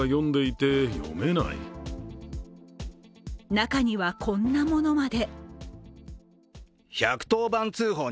中には、こんなものまで。